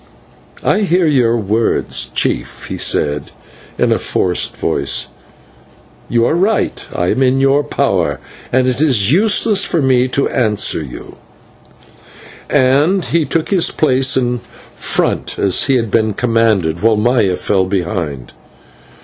"I hear your words, Chief," he said, in a forced voice. "You are right, I am in your power, and it is useless for me to answer you," and he took his place in front as he had been commanded, while Maya fell behind.